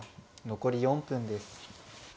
残り４分です。